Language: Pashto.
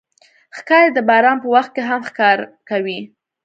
ښکاري د باران په وخت کې هم ښکار کوي.